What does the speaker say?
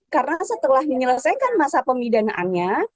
karena setelah menyelesaikan masa pemidanaannya